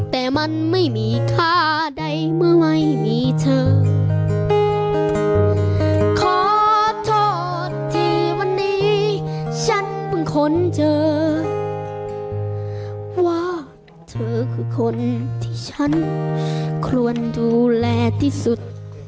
แต่มันไม่มีค่าใดเมื่อไม่มีเธอขอโทษที่วันนี้ฉันเพิ่งค้นเจอว่าเธอคือคนที่ฉันควรดูแลที่สุด